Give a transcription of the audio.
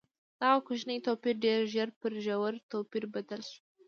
دغه کوچنی توپیر ډېر ژر پر ژور توپیر بدل شو.